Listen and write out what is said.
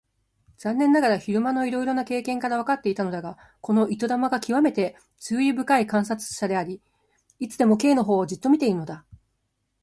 残念ながら昼間のいろいろな経験からわかっていたのだが、この糸玉がきわめて注意深い観察者であり、いつでも Ｋ のほうをじっと見ているのだ。